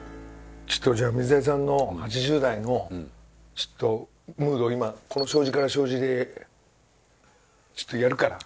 ちょっとじゃあ水谷さんの８０代のムードを今この障子から障子でちょっとやるから。